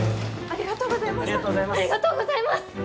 ありがとうございます。